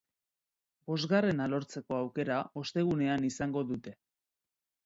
Bostgarrena lortzeko aukera ostegunean izango dute.